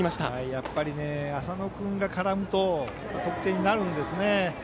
やっぱり浅野君が絡むと得点になるんですね。